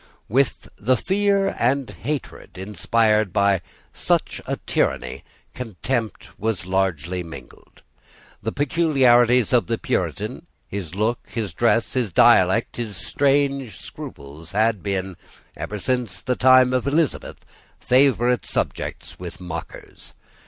With the fear and hatred inspired by such a tyranny contempt was largely mingled. The peculiarities of the Puritan, his look, his dress, his dialect, his strange scruples, had been, ever since the time of Elizabeth, favourite subjects with mockers.